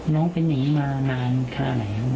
น้องเป็นอย่างนี้มานานแค่ไหนครับ